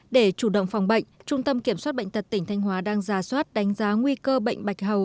để chủ động phòng bệnh trung tâm kiểm soát bệnh tật tỉnh thanh hóa đang ra soát đánh giá nguy cơ bệnh bạch hầu